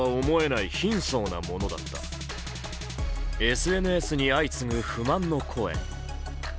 ＳＮＳに相次ぐ不満の声。